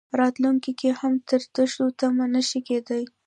راتلونکي کې هم ترې د ښو تمه نه شي کېدای.